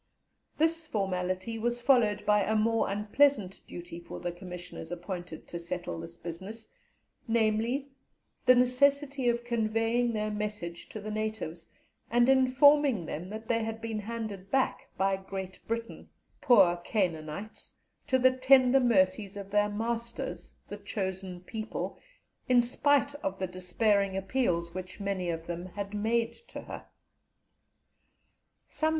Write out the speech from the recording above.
This formality was followed by a more unpleasant duty for the Commissioners appointed to settle this business, namely, the necessity of conveying their message to the natives, and informing them that they had been handed back by Great Britain, "poor Canaanites," to the tender mercies of their masters, the "Chosen people," in spite of the despairing appeals which many of them had made to her.